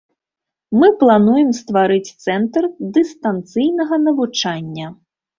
Мы плануем стварыць цэнтр дыстанцыйнага навучання.